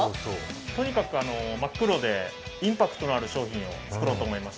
とにかく真っ黒でインパクトのある商品を作ろうと思いました。